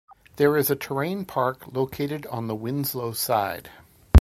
There is a terrain park located on the Winslow side.